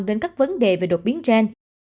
đến các vấn đề về đột biến gen